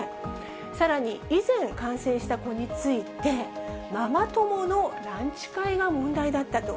さらに、以前感染した子について、ママ友のランチ会が問題だったと。